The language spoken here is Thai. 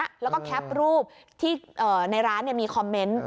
แล้วก็แคปรูปที่ในร้านมีคอมเมนต์